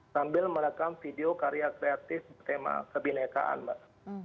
sambil merekam video karya kreatif bertema kebinekaan mbak